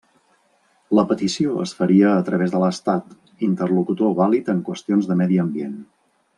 La petició es faria a través de l'Estat, interlocutor vàlid en qüestions de medi ambient.